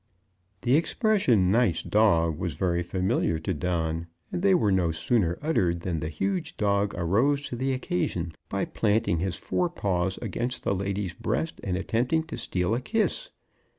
The expression "nice dog" was very familiar to Don, and they were no sooner uttered than the huge dog arose to the occasion by planting his fore paws against the lady's breast and attempting to steal a kiss.